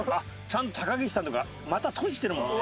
ちゃんと高岸さんとか股閉じてるもんね。